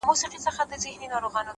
• هر فرمان به دي راغلی له اسمان وي ,